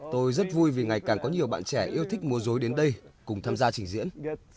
tôi rất vui vì ngày càng có nhiều bạn trẻ yêu thích mua dối đến đây cùng tham gia trình diễn